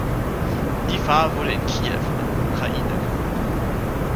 Lifar wurde in Kiew (Ukraine) geboren.